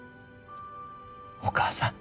お母さん。